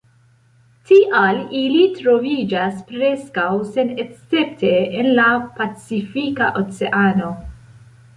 Tial ili troviĝas preskaŭ senescepte en la Pacifika Oceano.